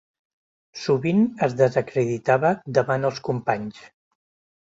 Sovint es desacreditava davant els companys.